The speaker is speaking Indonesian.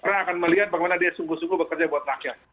orang akan melihat bagaimana dia sungguh sungguh bekerja buat rakyat